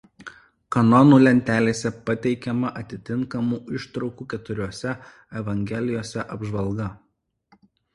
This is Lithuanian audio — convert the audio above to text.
Kanonų lentelėse pateikiama atitinkamų ištraukų keturiose evangelijose apžvalga.